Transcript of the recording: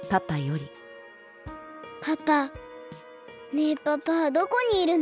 ねえパパはどこにいるの？